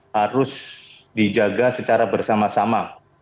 harus dijaga secara bersama sama